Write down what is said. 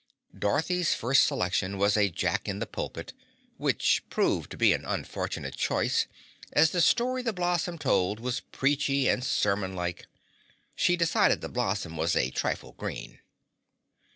Dorothy's first selection was a Jack in the Pulpit, which proved to be an unfortunate choice as the story the blossom told was preachy and sermon like. She decided the blossom was a trifle green.